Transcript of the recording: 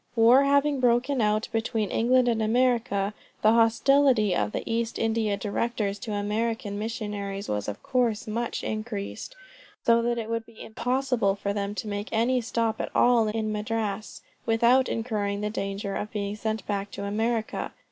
War having broken out between England and America, the hostility of the East India Directors to American missionaries was of course much increased, so that it would be impossible for them to make any stop at all in Madras, without incurring the danger of being sent back to America.